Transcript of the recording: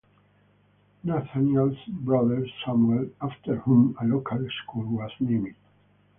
Nathaniel's brother Samuel after whom a local school was named.